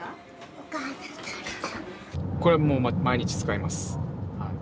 これはもう毎日使います。